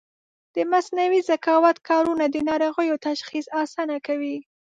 د مصنوعي ذکاوت کارونه د ناروغیو تشخیص اسانه کوي.